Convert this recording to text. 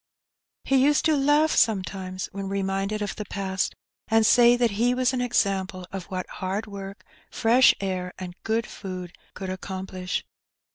He used to laugh sometimes when reminded of the past, and say that he was an example of what hard work, fresh air, and good food could accomplish.